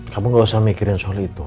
kamu gak usah mikirin soal itu